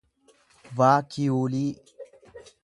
vaakiyuulii